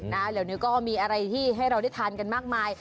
เดี๋ยวนี้ก็มีอะไรที่ให้เราได้ทานกันมากมาย